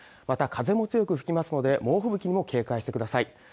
また風も強く吹きますので猛吹雪にも警戒してください